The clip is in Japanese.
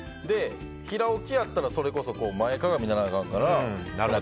平置きやったら、それこそ前かがみにならなあかんから。